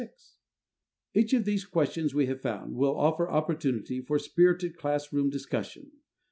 Each of these questions, we have found, will offer opportunity for spirited class room discussion.